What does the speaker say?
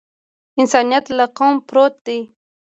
انسانیت له قوم پورته دی.